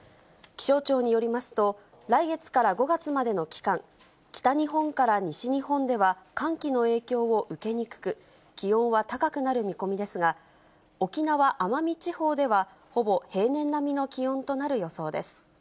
気象庁によりますと、来月から５月までの期間、北日本から西日本では、寒気の影響を受けにくく、気温は高くなる見込みですが、沖縄・奄美地方では、ほぼ平年並みの気温となる予想です。